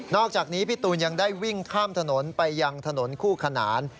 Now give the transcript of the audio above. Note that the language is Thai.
อกจากนี้พี่ตูนยังได้วิ่งข้ามถนนไปยังถนนคู่ขนาน